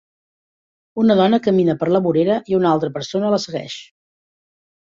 Una dona camina per la vorera i una altra persona la segueix.